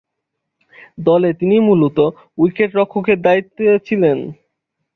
দলে তিনি মূলতঃ উইকেট-রক্ষকের দায়িত্বে ছিলেন।